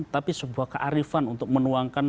tapi sebuah kearifan untuk menuangkan